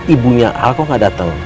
ibunya al kok gak dateng